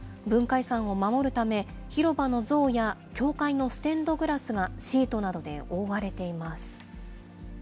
文化遺産を守るため、広場の像や教会のステンドグラスが、シートなどで覆われています。